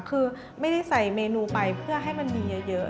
คือไม่ได้ใส่เมนูไปเพื่อให้มันมีเยอะ